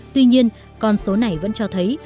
tuy nhiên con số này vẫn cho thấy